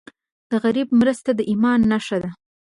د غریب مرسته د ایمان نښه ده.